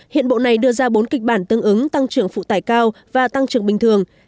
hiện bộ này đưa ra bốn kịch bản tương ứng tăng trưởng phụ tải cao và tăng trưởng bình thường